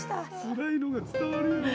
つらいのが伝わるよ。